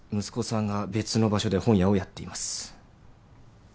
息子さんが別の場所で本屋をやっています。